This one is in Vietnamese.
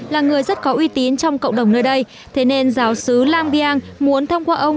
là người rất có uy tín trong cộng đồng nơi đây thế nên giáo sứ lang biang muốn thông qua ông